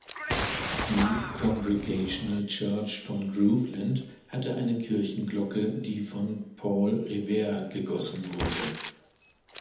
Die "Congregational Church" von Groveland hat eine Kirchenglocke, die von Paul Revere gegossen wurde.